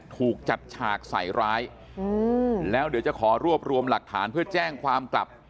ถูกจัดฉากใส่ร้ายแล้วเดี๋ยวจะขอรวบรวมหลักฐานเพื่อแจ้งความกลับ